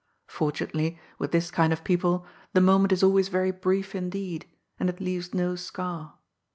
Fortunately, with this kind of people, the moment is always very brief indeed, and it leaves no scar.